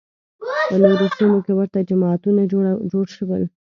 په نورو سیمو کې ورته جماعتونه جوړ شول